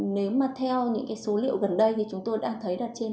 nếu mà theo những số liệu gần đây thì chúng tôi đã thấy là trên